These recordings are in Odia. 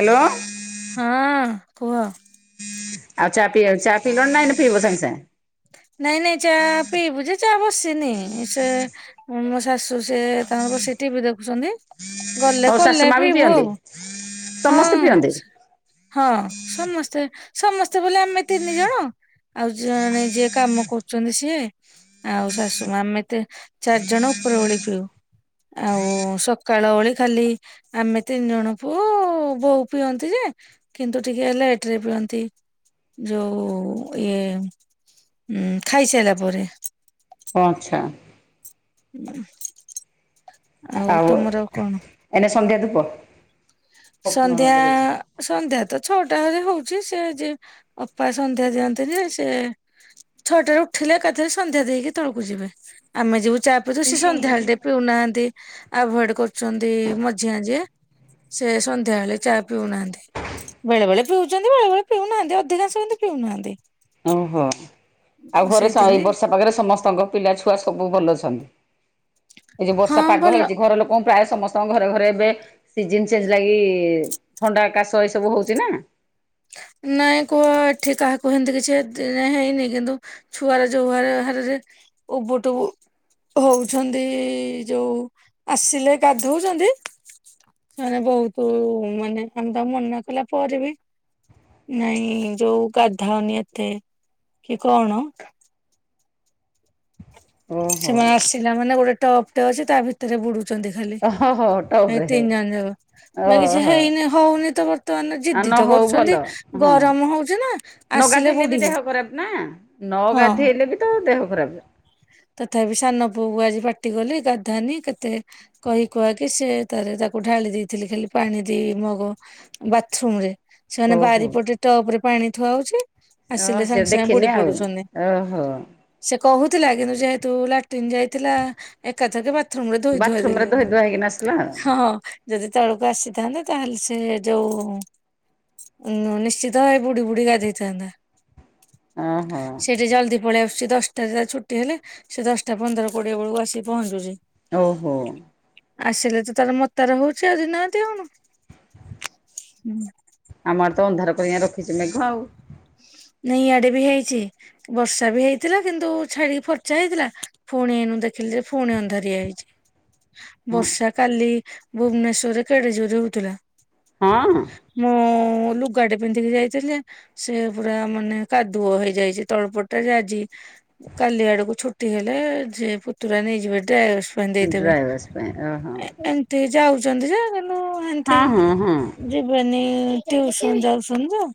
ହାଲୋ। ହଁ କୁହ। ଆଉ ଚା ପିଇବାକୁ ଚା ପିଇଲଣି ନା ଏଇନେ ପିଇବ ସାଙ୍ଗେ ସାଙ୍ଗେ। ନାଇଁ ନାଇଁ ଚା ପିଇବୁଯେ ଚା ବସିସିନି ସେ ମୋ ଶାଶୁ ସେ ତାଙ୍କର ବସି ଟିବି ଦେଖୁଚନ୍ତି। ଗଲେ ହଉ ଶାଶୁ କଲେ ମା ବି ପିଇବୁ ପିଅନ୍ତି ଆଉ ହଁ। ସମସ୍ତେ ପିଅନ୍ତି। ହଁ ସମସ୍ତେ ସମସ୍ତେ ବୋଲେ ଆମେ ତିନି ଜଣ ଆଉ ଜଣେ ଯିଏ କାମ କରୁଚନ୍ତି ସିଏ। ଆଉ ଶାଶୁ ମା ଆମେ ତି ଚାରି ଜଣ ଉପର ଓଳି ପିଉ। ଆଉ ସକାଳ ଓଳି ଖାଲି ଆମେ ତିନି ଜଣ ପୁଉ ବୋଉ ପିଅନ୍ତି ଯେ କିନ୍ତୁ ଟିକେ ଲେଟରେ ପିଅନ୍ତି ଯୋଉ ଇଏ ଉଁ ଖାଇସାରିଲା ପରେ। ହଁ ଆଛା। [inaudible] ଆଉ ତମର କଣ ଏନେ ସନ୍ଧ୍ୟା ଧୂପ। ସନ୍ଧ୍ୟା ସନ୍ଧ୍ୟା ତ ଛଅଟା ଘରେ ହଉଛି ସେ ଯେ ଅପା ସନ୍ଧ୍ୟା ଦିଅନ୍ତି ଯେ ସେ ଛଅଟାରେ ଉଠିଲେ ଏକାଥରେ ସନ୍ଧ୍ୟା ଦେଇକି ତଳକୁ ଯିବେ। ଆମେ ଯିବୁ ଚା ଯେ ସେ ସନ୍ଧ୍ୟାବେଳେ ଟେ ପିଉନାହାନ୍ତି ଆଭଏଡ କରୁଚନ୍ତି ମଝିଆ ଯିଏ। ସେ ସନ୍ଧ୍ୟାବେଳେ ଚା ପିଉନାହାନ୍ତି। ବେଳେ ବେଳେ ପିଉଚନ୍ତି ବେଳେବେଳେ ପିଉନାହାନ୍ତି। ଅଧିକାଂଶ କିନ୍ତୁ ପିଉନାହାନ୍ତି। ଓହୋ ଆଉ ଘରେ ସ ଏଇ ସେଇଥିପାଇଁ ବର୍ଷା ପାଖରେ ସମସ୍ତଙ୍କ ପିଲା ଛୁଆ ସବୁ ଭଲ ଅଛନ୍ତି। ଏ ଯୋଉ ହଁ ବର୍ଷା ପାଗ ଭଲ ହେଇଚି ଘର ଲୋକ ମୁଁ ପ୍ରାୟ ସମସ୍ତଙ୍କ ଘରେ ଘରେ ଏବେ ସିଜିନ ଚେଞ୍ଜ ଲାଗି ଥଣ୍ଡା କାଶ ଏ ସବୁ ହଉଚି ନା। ନାଇଁ କୁହ ଏଠି କାହାକୁ ହେନ୍ତି କିଛି ଏଠି ଯାଏଁ ହେଇନି କିନ୍ତୁ ଛୁଆରା ଯୋଉ ହାର ହାରରେ ଉବୁ ଟୁବୁ ହଉଛନ୍ତି ଯୋଉ ଆସିଲେ ଗାଧଉଚନ୍ତି ମାନେ ବହୁତ ମାନେ ଆମେ ତାଙ୍କୁ ମନା କଲା ପରେ ବି ନାଇଁ ଯୋଉ ଗାଧାଅନି ଏତେ କି କଣ ଓହୋ ସେମାନେ ଆସିଲା ମାନେ ଗୋଟେ ଟପ୍ ଟେ ଅଛି ତା ଭିତରେ ବୁଡୁଛନ୍ତି। ଖାଲି ଓହୋ ଏଇ ଟପରେ ତିନି ଜଣ ଯାକ ବା କିଛି ଓହୋ ହେଇନି ହଉନି ତ ବ ତ ଏନେ ଆ ନ ଜିଦ୍ଦିତ ହଉ ଭଲ କରୁଛନ୍ତି। ହଁ। ଗରମ ହଉଛି ନା ନ ଆସିଲେ ଗାଧେଇଲେ ବି ବୁଡିବୁ। ଦେହ ଖରାପ ନା ନ ହଁ ଗାଧେଇଲେ ବି ତ ଦେହ ଖରାପ। ତଥାପି ସାନ ପୁଅକୁ ଆଜି ପାଟି କଲି ଗାଧାନି କେତେ କହି କୁହାକି ସେ ତାରେ ତାକୁ ଢାଳି ଦେଇଥିଲି ଖାଲି ପାଣି ଦି ମଗ ବାଥରୁମ ରେ। ସେମାନେ ଓହୋ ବାରିପଟେ ଟପରେ ପାଣି ଥୁଆ ହଉଛି। ଓହ ଆସିଲେ ସେ ସାଙ୍ଗେ ସାଙ୍ଗେ ଦେଖିନି ବୁଡି ଆଉ ପଡୁଛନ୍ତି। ଓହୋ। ସେ କହୁଥିଲା କିନ୍ତୁ ଯେହେତୁ ଲାଟ୍ରନ୍ ଯାଇଥିଲା। ଏକାଥରେକେ ବା ଥୁମରେ ଧୋଇ ଧୁଆ ବାଥରୁମ ରେ ଦେଲି ଧୋଇ ଧୁଆ ହେଇକିନା ଆସିଲା ଆଉ ହଁ। ଯଦି ତଳକୁ ଆସିଥାନ୍ତେ ତାହେଲେ ସେ ଯୋଉ ଉୁଁ ନିଶ୍ଚିତ ଭାବେ ବୁଡି ବୁଦି ଗାଧେଇଥାନ୍ତା। ଓହୋ। ସେ ଜଲଦି ପଳେଇ ଆସୁଛି ଦଶଟାରେ ତା ଛୁଟି ହେଲେ। ସେ ଦଶଟା ପନ୍ଦର କୋଡିଏ ବେଳକୁ ଆସି ପହଞ୍ଚୁଛି। ଓହୋ। ଆସିଲେ ତ ତାର ମତାର ହଉଛି ଆଉ ଦିିନ ରାତି ଆଉ କଣ। ହୁଁ। ଆମର ତ ଅନ୍ଧାର କର ରଖିଛି ମେଘ ଆଉ। ନା ଇଆଡେ ବି ହେଇଛି ବର୍ଷା ବି ହେଇଥିଲା କିନ୍ତୁ ଛାଡିକି ଫର୍ଚା ହେଇଥିଲା। ପୁଣିନୁ ଦେଖିଲି ଯେ ପୁଣି ଅନ୍ଧାରଆ ହେଇଛି। ହଁ। ବର୍ଷା କାଲି ଭୁବନେଶ୍ଵରରେ କେଡେ ଜୋର ହଉଥିଲା। ହଅଁ। ମୁଁ ଲୁଗାଡେ ପିନ୍ଧିକି ଯାଇଥିଲି ଯେ, ସେ ପୁରା ମାନେ କାଦୁଅ ହେଇଯାଇଛି ତଳପଟଟା ଆଜି କାଲି ଆଡକୁ ଛୁ ଛୁଟି ହେଲେ ଯେ ପୁତୁରା ନେଇଯିବ ଯେ ଡ୍ରାଏୱାସ ପାଇଁ ଦେଇଦେବେ। ଡ୍ରାଇଭର୍ସ ପାଇଁ ଓହୋ [unintelligible] କେ ଯାଉଛନ୍ତି କିନ୍ତୁ ହେନ୍ତି ହଁ ହଁ ହଁ ଯିବେନି ଟିଉସନ ଯାଉଛନ୍ତି ତ।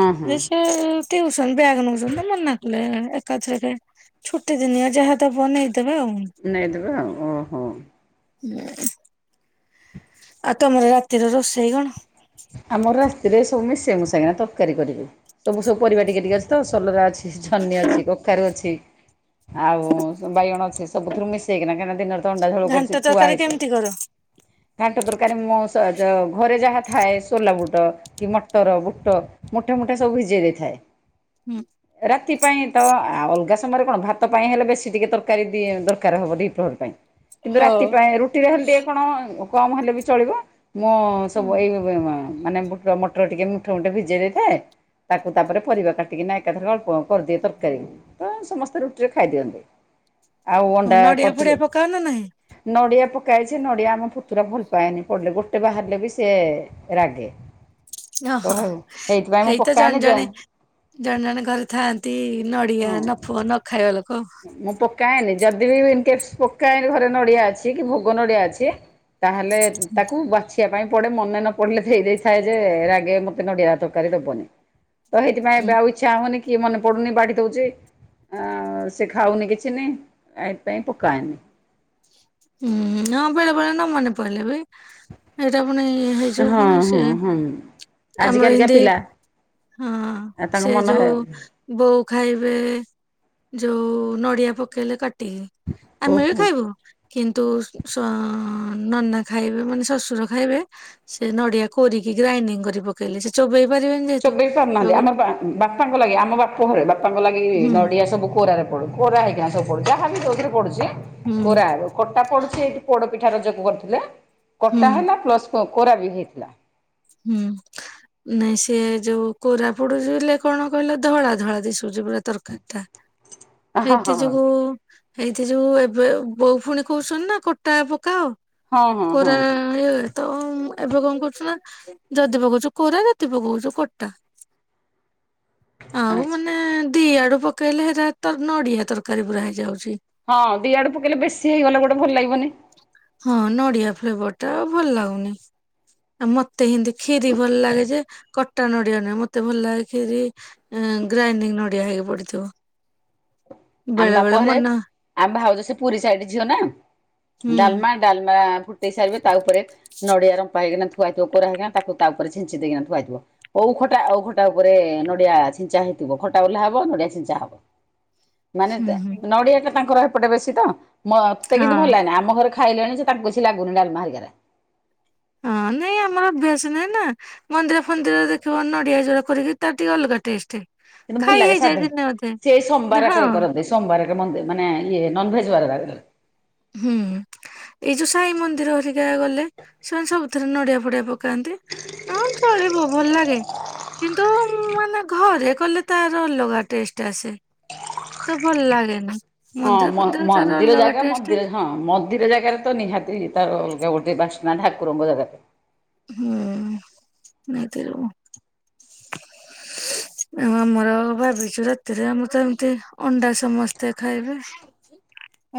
ହଁ ହଁ। ଯେ, ସେ ଟିଉସନ ବ୍ୟାଗ ନଉଛନ୍ତି ମନାକଲେ ଏକାଥରକେ ଛୁଟି ଦିନିଆ ଯାହା ତ ବନେଇଦବେ ଆଉ। ନାଇଦବେ ଆଉ ଓହୋ। ହୁଁ। ଆଉ ତମର ରାତିର ରୋଷେଇ କଣ? ଆମର ରାତିରେ ସବୁ ମିଶେଇ, ମିଶାକିନା ତରକାରୀ କରିବି। ସବୁ ସବୁ ପରିବା ଟିକେ ଟିକେ ଅଛି ତ, ସୋଲରା ଅଛି, ଛନି ଅଛି କଖାରୁ ଅଛି। ଆଉ ବାଇଗଣ ଅଛି ସବୁଥିରୁ ମିଶେଇକିନା କାହିଁକି ଦିନରେ ତ ଅଣ୍ଡା ଝୋଳୁ ଘାଣ୍ଟ କରୁଛି ଥୁଆ ତରକାରୀ ହେଇଛି। କେମିତି କର? ଘାଣ୍ଟ ତରକାରୀ ମଁ ଘରେ ଯାହା ଥାଏ ସୋଲା ବୁଟ କି ମଟର ବୁଟ ମୁଠା, ମୁଠା ସବୁ ଭିଜେଇ ଦେଇଥାଏ। ହୁଁ। ରାତି ପାଇଁ ତ ଅଲଗା ସମୟରେ କଣ ଭାତ ପାଇଁ ହେଲେ ବେଶୀ ଟିକେ ତରକାରୀ ଦି ଦରକାର ହବ ଦ ପ୍ରହରୀ ପାଇଁ। କିନ୍ତୁ ହଁ। ରାତି ପାଇଁ ରୁଟିରେ ହେଲେ ଟିକେ କଣ କମ ହେଲେ ବି ଚଳିବ, ମୁଁ ସବୁ ଏଇ ମାନେ ମଟର ଟିକେ ମୁଠା, ମୁଠେ ଭିଜେଇ ଦେଇଥାଏ। ତାକୁ ତାପରେ ପରିବା କାଟିକି ନାଇ ଏକାଥର ଅଳ୍ପ କରିଦିଏ ତରକାରୀ। ତ ସମସ୍ତେ ରୁଟିରେ ଖାଇଦିଅନ୍ତି। ଆଉ ହଁ ଅଣ୍ଡା ନଡିଆ ଫଡିଆ କରିଥିଲେ। ପକାଅ ନା ନାହିଁ? ନଡ଼ିଆ ପକାଏ ଯେ, ନଡ଼ିଆ ଆମ ପୁତୁରା ଭଲ ପାଏନି ପଡ଼ିଲେ ଗୋଟେ ବାହାରିଲେ ବି ସେ ରାଗେ ତ ଓହୋ ହେଇଥିପାଇଁ ମୁଁ ହେଇତ ଜଣେ ପକାଏନି ଯ ଜଣେ ଜଣେ ଜଣେ ଘରେ ଥାଆନ୍ତି, ନଡିଆ ହଁ। ନ ଫୁଅ ନ ଖାଇବା ଲୋକ ମୁଁ ପକାଏନି ଯଦି ବି ଇନ କେସ୍ ପକାଏନି ଘରେ ନଡିଆ ଅଛି କି, ଭୋଗ ନଡିଆ ଅଛି। ତାହେଲେ ତାକୁ ବାଛି ରଖିବା ପାଇଁ ପଡେ ମନେ ନ ପଡିଲେ ତ [unintelligible] ଦେଇଥାଏ ଯେ ରାଗେ ମତେ ନଡିଆରେ ତରକାରୀ ଦବନି। ତ ସେଇଥିପାଇଁ ଉଁ ଏବେ ଆଉ ଇଚ୍ଛା ହଉନି କି ମନେ ପଡୁନି ବାଢି ଦଉଛି ଆ ସେ ଖାଉନି କିଛି ନାହିଁ, ଏଥିପାଇଁ ପକାଏନି। ହୁଁ, ହଁ ବେଳେ, ବେଳେ ନ ମନେ ପଡିଲେ ବି ଏଇଟା ପୁଣି ହେଇ ଯୋଉ ହଁ ମାନେ ସେ ଆମର ଆଜିକାଲିକା ହିନ୍ଦୀ ପିଲା ହଁ ତାଙ୍କ ସେ ମନ ଯୋଉ ବୋଉ ଖାଇବେ ଯୋଉ ନଡିଆ ପକେଇଲେ କାଟିକି, ଆମେ ବି ଓହୋ ଖାଇବୁ କିନ୍ତୁ ଶ ନନା ଖାଇବେ ମାନେ ଶଶୁର ଖାଇବେ, ସେ ନଡିଆ କୋରିକି ଗ୍ରାଇଣ୍ଡିଙ୍ଗ କରିପ ପକେଇଲେ ସେ ଚୋବେଇ ପାରିବେନି ଯେ, ଚୋବେଇ ପାରୁନାହାନ୍ତି, ଆମ ବା ବାପାଙ୍କ ଲାଗି ଆମ ବାପ ଘରେ ବାପାଙ୍କ ଲାଗି ହୁଁ ନଡିଆ ସବୁ କୋରାରେ ପଡୁ, କୋରାହେଇକିନା ସବୁ ପଡୁଛି, ଯାହାବି ହଉ ଯୋଉଥିରେ ପଡୁଛି ହୁଁ କୋରା କଟା ପଡୁଛି, ଏଇଠି ପୋଡ ପିଠା ରଜ କୁ କରିୁଥିଲେ ହୁଁ କଟା ହେଲା ପ୍ଲସ ପ କୋରା ବି ହେଇଥିଲା। ହୁଁ। ନାଇଁ ସିଏ ଯୋଉ କୋରା ପଡି ଯୁଇଲେ କଣ କହିଲ ଧଳା ଧଳା ଦିସୁଚି ପୁରା ତରକାରୀ ଟା। ହଁ ହେଇଥି ହଁ ହଁ ଯୋଗୁ ହେଇଥି ଯୋଗୁ ଏବେ ବୋଉ ଫୁଣି କହୁସନ୍ତି ନା କଟା ପକାଅ। ହଁ ହଁ କୋରା ହଁ ହେ ତ ଏବେ କଣ କରୁଚୁ ନା ଯଦି ପକଉଚୁ କୋରା ଯଦି ପକଉଚୁ କଟା। ଆଉ ଆଚ୍ଛା ମାନେ ଦି ଆଡୁ ପକେଇଲେ ହେଟା ତ ନଡିଆ ତରକାରୀ ପୁରା ହେଇଯାଉଚି। ହଁ ଦିଆଡୁ ପକେଇଲେ ବେଶୀ ହେଇଗଲେ ଗୋଟେ ଭଲ ଲାଗିବନି। ହଁ ନଡିଆ ଫ୍ଲେଭର ଟା ଭଲ ଲାଗୁନି। ଆ ମତେ ହିନ୍ତି ଖିରି ଭଲ ଲାଗେ ଯେ କ କଟା ନଡ଼ିଆ ନୁହେଁ ମତେ ଭଲ ଲାଗେ ଖିରି ଆଁ ଗ୍ରାଇଡିଙ୍ଗ ନଡିଆ ହେଇକି ପଡିଥିବ। ଆମ ବେଳେ ବାପ ବେଳେ ଘରେ ମନ ଆମ ଭାଉଜ ସେ ପୁରୀ ସାଇଡ ଝିଅ ନା ହୁଁ ଡାଲମା ଡାଲମା ଫୁଟେଇ ସାରିବେ ତା ଉପରେ ନଡିଆ ରମ୍ପା ହେଇକି ନା ଥୁଆହେଇଥିବ କୋରା ହେଇକନା ତାକୁ ତା ଉପରେ ଛିଞ୍ଚି ଦେଇକିନା ଥୁଆହେଇଥିବ। ଓଉ ଖଟା ଓଉ ଖଟା ଉପରେ ନଡିଆ ଛିଞ୍ଚା ହେଇଥିବ ଖଟା ଓଲ୍ହା ହବ ନଡିଆ ଛିଞ୍ଚା ହବ। ମାନେ ହୁଁ ତା ହୁଁ ନଡିଆ ଟା ତାଙ୍କର ହେପଟେ ବେଶୀ ତ ମତେ ହଁ କିନ୍ତୁ ଭଲ ଲାଗେନା ଆମ ଘରେ ଖା ଖାଇଲେଣି ସେ ତାଙ୍କୁ ବେସି ଲାଗୁନି ଡାଲମା ହେଇକାରା। ହଁ ନାଇଁ ଆମର ଅଭ୍ୟାସ ନାହିଁ ନା ମନ୍ଦିର ଫନ୍ଦିରରେ ଦେଖିବ ନଡିଆ ଯୋଉ କୋରିକି ତାର ଟିକେ ଅଲଗା ଟେଷ୍ଟ। କିନ୍ତୁ ଭଲ ଖାଇ ଲାଗେ ହେଇଯାଏ ସାଧା ଦିନେ ଅଧେ ସିଏ ସୋମବାର ହଁ ଆକାରରେ କରନ୍ତି। ସୋମବାରରେ ମନ୍ଦି ମାନେ ଇଏ ନନ୍ଭେଜ୍ ବାରଏରିକାରେ। ହୁଁ। ଏଇ ଯୋଉ ସାଇ ମନ୍ଦିର ହେରିକା ଗଲେ ସେମାନେ ସବୁଥିରେ ନଡିଆ ଫଡିଆ ପକାନ୍ତି। ହଁ ଚଳିବ ଭଲ ଲାଗେ। କିନ୍ତୁ ମାନେ ଘରେ କଲେ ତାର ଅଲଗା ଟେଷ୍ଟ ଆସେ। ତେ ଭଲ ଲାଗେନା। ହଁ ମ ମନ୍ଦିର ଜାଗା ମ ମନ୍ଦିର ହଁ ମନ୍ଦିର ଜାଗାରେ ତ ନିହାତି ତାର ଅଲଗା ଗୋଟେ ବାସନା ଠାକୁରଙ୍କ ଜାଗାରେ। ହୁଁ ନାଇଁ ତ ଆଉ ଆମ ଆମର ଭାବିଚୁ ରାତିରେ ଆମେ ତ ଏମିତି ଅଣ୍ଡା ସମସ୍ତେ ଖାଇବେ।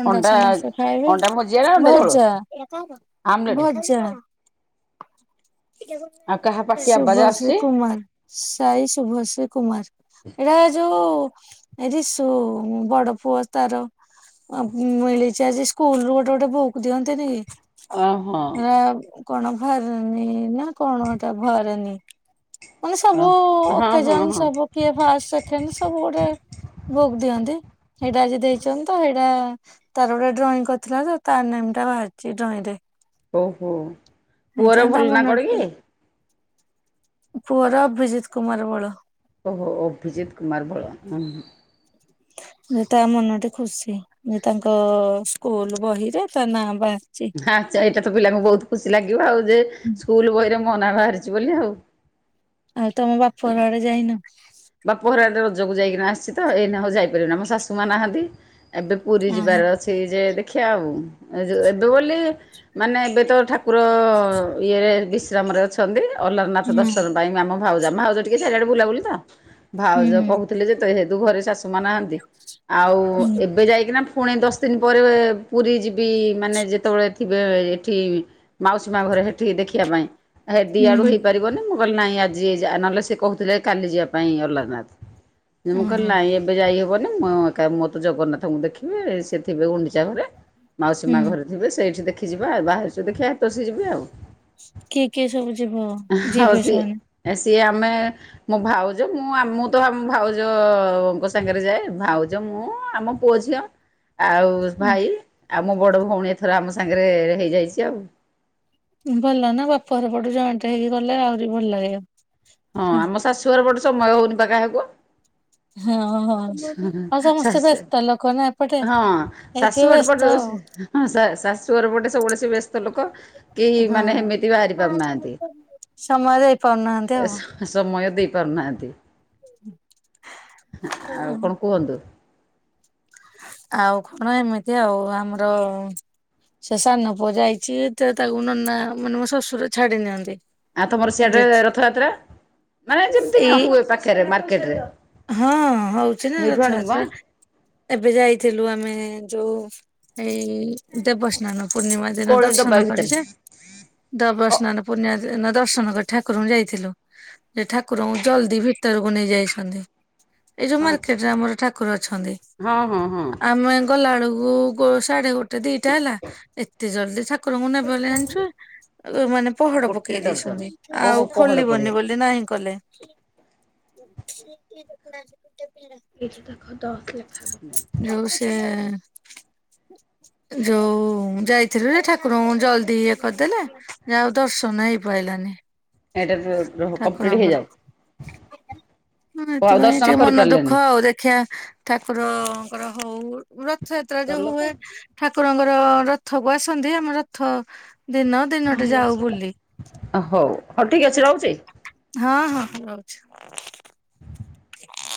ଅଣ୍ଡା ସମସ୍ତେ ଖାଇବେ ଅଣ୍ଡା ଭୁଜିଆ ନା ଅଣ୍ଡା ଝୋଳ ଭଜା ଆମଲେଟ ଭଜା। ଆଉ କାହା ପାଟି ଆବାଜ ଶୁଭଶ୍ରୀ ଆସୁଛି କୁମାର ସାଇ ଶୁଭଶ୍ରୀ କୁମାର। ଏଇରା ଯୋଉ ଏ ରିଷୁ ବଡ ପୁଅ ତାର ଅଁ ମିଳିଚି ଆଜି ସ୍କୁଲ ରୁ ଗୋଟେ ଗୋଟେ ବୁକ୍ ଦିଅନ୍ତି ନି କି? ଓହୋ ହେଁ କଣ ଭରେନି ନା କଣଏଟା ଭରେନି। ମାନେ ହଁ ହଁ ସବୁକେଜାଣି ହଁ ସବୁ କିଏ ପାଷ୍ଟ ସେକେଣ୍ଡ ସବୁ ଗୋଟେ ବୁକ୍ ଦିଅନ୍ତି ହେଇଟା ଆଜି ଦେଇଚନ୍ତି ତ ହେଇଟା ତାର ଗୋଟେ ଡ୍ରଇଂ କରିଥିଲା ତ ତାର ନେମ୍ ଟା ବାହାରିଚି ଡ୍ରଇଂ ରେ। ଓହୋ ପୁଅର ହେଇଥିପାଇଁ ତା ଭଲ ନା ମନ କଣ କି? ପୁଅର ଅଭିଜିତ କୁମାର ବଳ। ଓହୋ ଅଭିଜିତ କୁମାର ବଳ ଉଁ ହୁଁ। ଯେ ତା ମନଟି ଖୁସି। ଯେ ତାଙ୍କ ସ୍କୁଲ ବହି ରେ ତା ନାଁ ବାହାରିଚି। ଆ ଆଚ୍ଛା ଏଇଟା ତ ପିଲାଙ୍କୁ ବହୁତ ଖୁସି ଲାଗିବ ଆଉ ଯେ ସ୍କୁଲ ବହିରେ ମୋ ନା ବାହାରିଚି ବୋଲି ଆଉ। ଆଉ ତମ ବାପ ଘର ଆଡେ ଯାଇନ? ବାପ ଘରେ ଏବେ ରଜକୁ ଯାଇକିନା ଆସିଛି ତ ଏଇନେ ଆଉ ଯାଇପାରିବନି ମୋ ଶାଶୁମା ନାହାନ୍ତି ଏବେ ପୁରୀ ଅହଁ ଯିବାର ଅଛି ଯେ ଦେଖିବା ଆଉ ଯେ ଏବେ ବୋଲି ମାନେ ଏବେ ତ ଠାକୁର ଇଏରେ ବିଶ୍ରାମରେ ଅଛ ଅଛନ୍ତି ଅଲାରନାଥ ହୁଁ ଦର୍ଶନ ପାଇଁ ଆମ ଭାଉଜା ଆମ ଭାଉଜ ଟିକେ ଚାରିଆଡେ ବୁଲାବୁଲି ତ ହୁଁ ଭାଉଜ କହୁ ଥିଲେ ଯେହେତୁ ଘରେ ଶାଶୁ ମା ନାହାନ୍ତି ଆଉ ହୁଁ ଏବେ ଯାଇକିନା ଫୁଣି ଦଶ ଦିନ ପରେ ପୁରୀ ଯିବି ମାନେ ଯେତେବେଳେ ଥିବେ ଏଠି ମାଉସୀ ମା ଘରେ ହେଠିକି ଦେଖିବା ପାଇଁ ହେ ହୁଁ ଦିଆଡୁ ହୁଁ ହେଇପାରିବନି ମୁଁ କହିଲି ନାଇଁ ଆଜି ଯା ନହେଲେ ସେ କହୁଥିଲେ କାଲି ଯିବା ପାଇଁ। ପାଇଁ ଅଲନାଥ, ମୁଁ ଓହୋ କହିଲି ନାହିଁ ଏବେ ଯାଇ ହେବନି ମୋ ମୁଁ ଏକା ମୁଁ ତ ଜଗନ୍ନାଥଙ୍କୁ ଦେଖିବେ ସେ ଥିବେ ଗୁଣ୍ଡିଚା ଘରେ ମାଉସୀମା ହୁଁ ଘରେ। ଯିବେ ସେଇଠି ଦେଖି ଯିବା ଆଉ ବାହାରାରୁଛୁ ଦେଖିବା ହାତସ ଯିବେ ଆଉ। କିଏ କିଏ ସବୁ ଯିବ ହଉ ଯିବେ ସେମାନେ? ସିଏ ସିଏ ଆମେ ମୁଁ ଭାଉ ଜ ମୁଁ ଆ ମୁଁ ତ ଆମ ଭାଉଜଙ୍କ ସାଙ୍ଗରେ ଯାଏ ଭାଉଜ ମୁଁ ଆମ ପୁଅ ଝିଅ ଆଉ ଭାଇ ଆଉ ମୋ ବଡ ଭଉଣୀ ଏଥର ଆମ ସାଙ୍ଗରେ ହେଇଯାଇଛି ଆଉ। ଭଲ ନା ବାପର ପଟୁ ଜଏଣ୍ଟ ହେଇକି ଗଲେ ଆହୁରି ଭଲ ଲାଗେ। ହଁ ଆମ ଶାଶୁ ଘରେ ପଟେ ସମୟ ହଉନି ପା କାହାକୁ ହଁ ହଁ। ଆଉ ସମସ୍ତେ ଶାଶୁ ବ୍ୟସ୍ତ ଲୋକନା ଏପଟେ ହଁ ଏଇଥି ଶାଶୁଘର ପଟେ ବ୍ୟସ୍ତ ଆଉ। ହଁ ଶା ଶାଶୁର ପଟେ ସବୁବେଳେ ସେ ବ୍ୟସ୍ତ ଲୋକ କି ହଁ ମାନେ ଏମିତି ବାହାରି ପାରୁନାହାନ୍ତି ସମୟ ଦେଇ ପାରୁନାହାନ୍ତି ଆଉ। ଏ ସମୟ ଦେଇପାରୁନାହାଁନ୍ତି। [inaudible] ଆଉ କଣ କୁହନ୍ତୁ? ଆଉ କଣ ଏମିତି ଆଉ ଆମର ସେ ସାନ ପୁଅ ଯାଇଛି ତ ତାକୁ ନନା ମାନେ ମୋ ଶଶୁର ଛାଡି ନିିଅନ୍ତି। ଆ ତମର ସିଆଡେ ରଥଯାତ୍ରା ମାନେ ଯେମିତି କଣ ଏଇ ହୁଏ ପାଖରେ ମାର୍କେଟରେ ହଁ ହଉଛି ନା ରଥଯାତ୍ରା। ଏବେ ଯାଇଥିଲୁ ଆମେ ଯୋଉ ଏଇ ଦେବସ୍ନାନ ପୂର୍ଣିମା ଦିନ କୋଳି ଡବା ଦର୍ଶନ ଭିତରେ କରିଛେ ଅ ଦେବସ୍ନାନ ପୂର୍ଣିମା ଦିନ ଦର୍ଶନ କରି ଠାକୁରଙ୍କୁ ଯାଇଥିଲୁ। ଯେ ଠାକୁରଙ୍କୁ ଜଲଦି ଭିତରକୁ ନେଇ ଯାଇଛନ୍ତି। ଏଇ ଯୋଉ ଆଚ୍ଛା ମାର୍କେଟରେ ଆମର ଠାକୁର ଅଛନ୍ତି। ହଁ ହଁ ହଁ ଆମେ ଗଲାବେଳକୁ ଗୋ ସାଢେ ଗୋଟେ ଦିଟା ହେଲା ଏତେ ଜଲ୍ଦି ଠାକୁରଙ୍କୁ ନେବେ ବୋଲି ଜାଣିଛୁ ମାନେ ପହଡ ଗୋଟେ ପକେଇ ଡର୍ଜନ ଦେଇଛନ୍ତି ଓହୋ ଆଉ ପହଡ଼ ପଡ଼ିବ। ଖୋଲିବନି ବୋଲି ନାହିଁ କଲେ। [inaudible] ଏଇଠି ତାଖ ଦସଲେ [unintelligible] ଯୋଉ ସେ ଯୋଉ ଯାଇଥିଲୁ ଯେ ଠାକୁରଙ୍କୁ ଜଲ୍ଦି ଇଏ କରିଦେଲେ ଯା ହେଉ ଦର୍ଶନ ହେଇପାରଲାନି। ଏଇଟା ଯ ଯୋଉ କମ୍ପ୍ଲିଟ ହେଇଯାଉ। ହଁ ଆଉ ସେଥିପାଇଁ ଦର୍ଶନ ଟିକେ ମନ ଦୁଃଖ କରିପାରିଲେନି। ଆଉ ଦେଖିବା ଠାକୁରଙ୍କର ହଉ ରଥଯାତ୍ରା ଯୋଉ ହୁଏ ଠାକୁରଙ୍କର ରଥଙ୍କର୍ ଆସନ୍ତି ଆମ ରଥ ଦିନ ଦିନଟେ ଯାଉ ବୁଲି ହଉ ହଉ ଠିକ ଅଛି ରହୁଛି। ହଁ ହଁ ରହୁଛି।